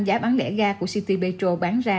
giá bán lễ ga của citi petro bán ra